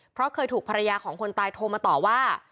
เพราะเคยถูกภรรยาของคนตายโทรมาต่อว่า